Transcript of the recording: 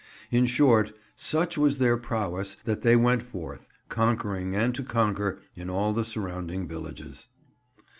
In short, such was their prowess that they went forth, conquering and to conquer, in all the surrounding villages.